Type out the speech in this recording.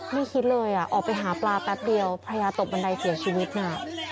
ไม่คิดเลยออกไปหาปลาแป๊บเดียวภรรยาตกบันไดเสียชีวิตน่ะ